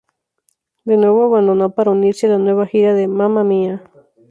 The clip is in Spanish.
De nuevo abandonó para unirse a la nueva gira de "Mamma Mia!